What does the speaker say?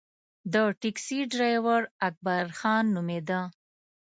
د ټیکسي ډریور اکبرخان نومېده.